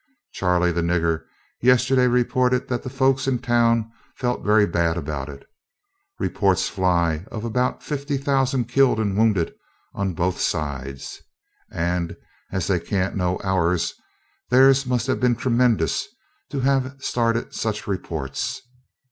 Charley, the nigger, yesterday reported that the folks in town felt very bad about it. Reports fly about of fifty thousand killed and wounded on both sides; and, as they can't know ours, theirs must have been tremendous to have started such reports.